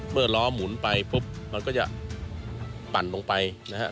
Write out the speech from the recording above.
เมื่อล้อหมุนไปปุ๊บมันก็จะปั่นลงไปนะครับ